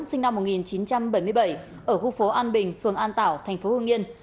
sinh năm một nghìn chín trăm bảy mươi bảy ở khu phố an bình phường an tảo thành phố hương yên